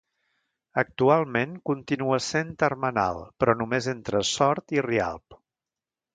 Actualment continua sent termenal, però només entre Sort i Rialb.